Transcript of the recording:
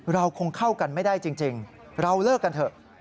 เราคงเข้ากันไม่ได้จริงเราเลิกกันเถอะ